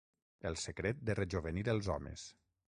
El secret de rejovenir els homes.